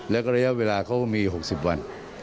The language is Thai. แล้วก็ระยะเวลาเขาก็มี๖๐วัน